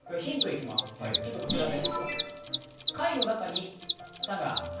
ヒントこちらです。